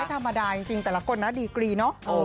ธรรมดาจริงแต่ละคนนะดีกรีเนอะ